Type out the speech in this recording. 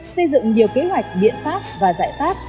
xây dựng nhiều kế hoạch biện pháp và giải pháp